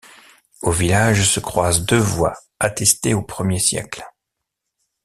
Au village se croise deux voies attestées aux premiers siècle.